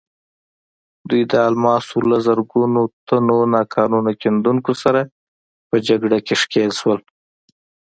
دوی د الماسو له زرګونو تنو ناقانونه کیندونکو سره په جګړه کې ښکېل شول.